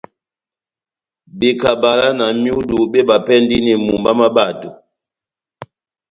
Bekabala na myudu mébapɛndini mumba má bato.